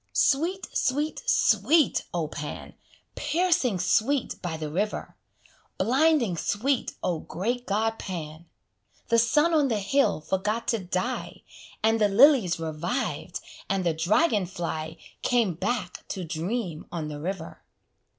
Sweet, sweet, sweet, O Pan! Piercing sweet by the river! Blinding sweet, O great god Pan! The sun on the hill forgot to die, And the lilies reviv'd, and the dragon fly Came back to dream on the river.